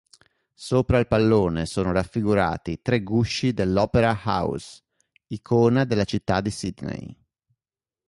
Sopra il pallone sono raffigurati tre gusci dell'Opera House, icona della città di Sydney.